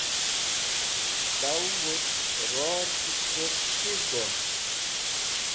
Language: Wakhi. tow wudg ror sek purz chiz go?